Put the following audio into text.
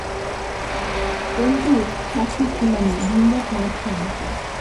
অন্তু, শাস্তির সীমা নেই, দিনরাত মারছে আমাকে।